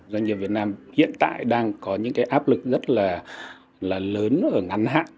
doanh nghiệp việt nam hiện tại đang có những áp lực rất là lớn và ngắn hẳn